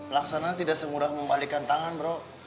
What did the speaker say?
laksana tidak semudah membalikan tangan bro